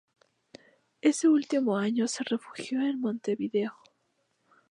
Ese último año se refugió en Montevideo.